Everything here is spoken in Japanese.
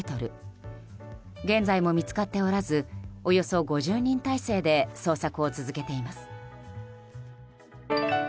現在も見つかっておらずおよそ５０人態勢で捜索を続けています。